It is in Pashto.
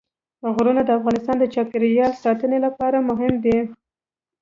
غرونه د افغانستان د چاپیریال ساتنې لپاره مهم دي.